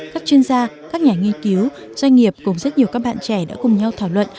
các chuyên gia các nhà nghiên cứu doanh nghiệp cùng rất nhiều các bạn trẻ đã cùng nhau thảo luận